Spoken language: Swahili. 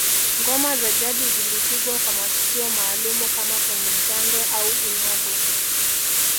Ngoma za jadi zilipigwa kwa matukio maalumu kama kwenye jando au unyago